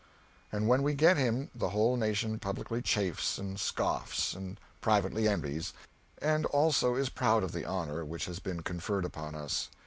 And when we get him the whole nation publicly chaffs and scoffs and privately envies; and also is proud of the honor which has been conferred upon us.